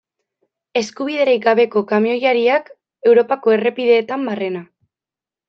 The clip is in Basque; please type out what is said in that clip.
Eskubiderik gabeko kamioilariak Europako errepideetan barrena.